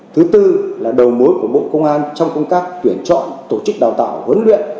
thứ tư là đầu mối của bộ công an trong công tác tuyển chọn tổ chức đào tạo huấn luyện